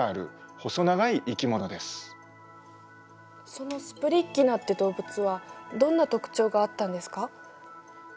そのスプリッギナって動物はどんな特徴があったんですか？